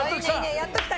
やっときた！